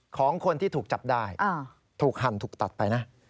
ของคนที่ถูกจับได้ถูกหั่นถูกตัดไปนะ